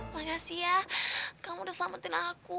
makasih ya kamu udah selamatin aku